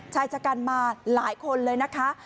ชายจัดการมาหลายคนเลยนะคะ